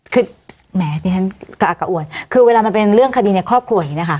คือแหมดิฉันกระอักกะอวดคือเวลามันเป็นเรื่องคดีในครอบครัวอย่างนี้นะคะ